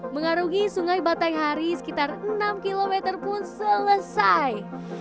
mengarungi sungai batai hari sekitar enam km pun selesai